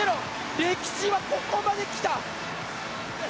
歴史はここまで来た。